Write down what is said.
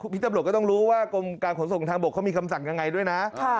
พี่ตำรวจก็ต้องรู้ว่ากรมการขนส่งทางบกเขามีคำสั่งยังไงด้วยนะ